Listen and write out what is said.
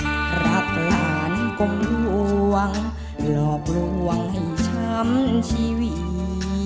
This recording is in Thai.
รักหลานกลมดวงหลอกลวงให้ช้ำชีวิต